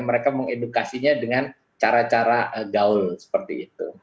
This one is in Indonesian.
mereka mengedukasinya dengan cara cara gaul seperti itu